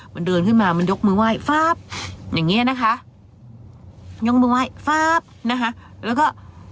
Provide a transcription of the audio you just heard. มันเดินขึ้นมามันยกมือไหว้ฟ้าบอย่างเงี้ยนะคะยกมือไหว้ฟ้าบนะคะแล้วก็